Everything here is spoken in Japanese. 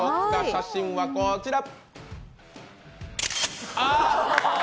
写真はこちら！